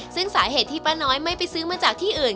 ซึ่งสาเหตุที่ป้าน้อยไม่ไปซื้อมาจากที่อื่น